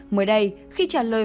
mới đây khi trả lời